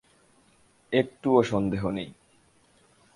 একটুও সন্দেহ নেই।